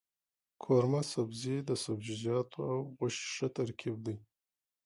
قورمه سبزي د سبزيجاتو او غوښې ښه ترکیب دی.